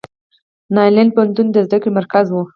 نالندا پوهنتون د زده کړې مرکز و.